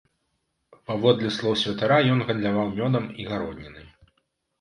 Паводле слоў святара, ён гандляваў мёдам і гароднінай.